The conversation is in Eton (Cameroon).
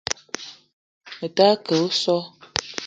Me ta ke osso.